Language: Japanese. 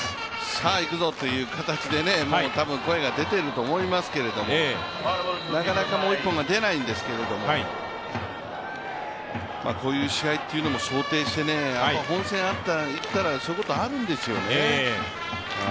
さあ、いくぞという形で、たぶん声が出ていると思いますけど、なかなかもう一本が出ないんですけどもこういう試合っていうのも想定して、本戦いったらそういうことあるんですよね。